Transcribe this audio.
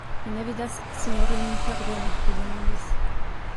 Mi ne vidas sinjorinon Herbeno, li demandis.